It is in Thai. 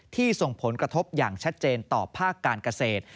ส่งผลกระทบอย่างชัดเจนต่อภาคการเกษตร